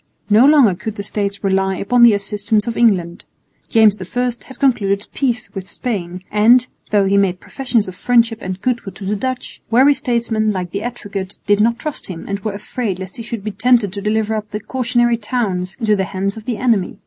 No longer could the States rely upon the assistance of England. James I had concluded peace with Spain; and, though he made professions of friendship and goodwill to the Dutch, wary statesmen, like the Advocate, did not trust him, and were afraid lest he should be tempted to deliver up the cautionary towns into the hands of the enemy.